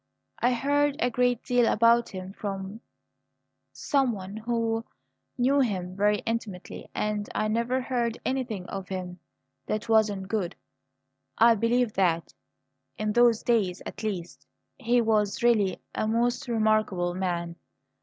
I heard a great deal about him from someone who knew him very intimately; and I never heard anything of him that was not good. I believe that, in those days at least, he was really a most remarkable man.